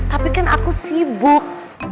tapi kan aku sibuk